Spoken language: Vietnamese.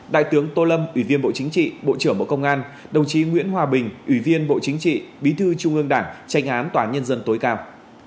đại tướng tô lâm ủy viên bộ chính trị bộ trưởng bộ công an đồng chí nguyễn hòa bình ủy viên bộ chính trị bí thư trung ương đảng tranh án tòa án nhân dân tối cao